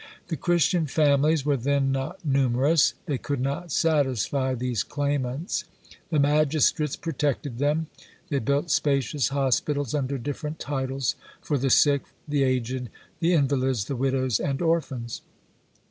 The Christian families were then not numerous; they could not satisfy these claimants. The magistrates protected them: they built spacious hospitals, under different titles, for the sick, the aged, the invalids, the widows, and orphans.